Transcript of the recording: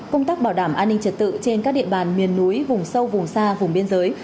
công tác bảo đảm an ninh trật tự trên các địa bàn miền núi vùng sâu vùng xa vùng biên giới